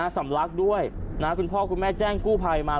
สำลักด้วยคุณพ่อคุณแม่แจ้งกู้ภัยมา